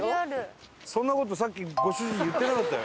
そんな事さっきご主人言ってなかったよ。